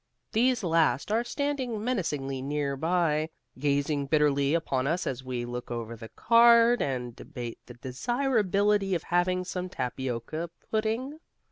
These last are standing menacingly near by, gazing bitterly upon us as we look over the card and debate the desirability of having some tapioca pudding.